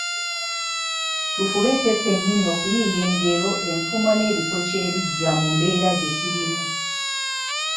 Tufube ffe ffennyini okuyiiya engero, enfumo n'ebikokyo ebigya mu mbeera gye tulimu.